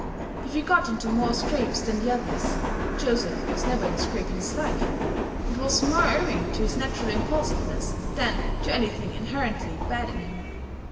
'If he got into more scrapes than the others [Joseph was never in a scrape in his life], it was more owing to his natural impulsiveness than to anything inherently bad in him.